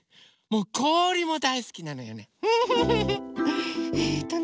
こおりもだいすきなのよね。